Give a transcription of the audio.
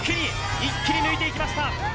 一気に抜いて行きました。